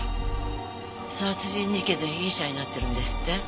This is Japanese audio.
殺人事件の被疑者になってるんですって？